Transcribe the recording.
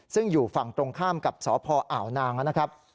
ซึ่งอยู่ฝั่งตรงข้ามกับสพอ่าวนางนะครับ